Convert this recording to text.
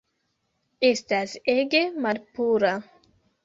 Estas ege malpura